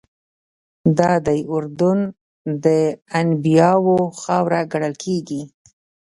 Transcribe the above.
دادی اردن د انبیاوو خاوره ګڼل کېږي.